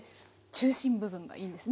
中心部分がいいんですね？